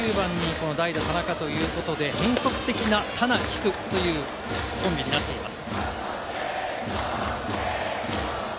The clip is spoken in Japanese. ９番に代打・田中ということで、変則的なタナキクというコンビになっています。